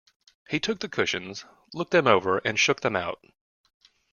He took the cushions, looked them over and shook them out.